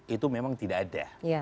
itu memang tidak ada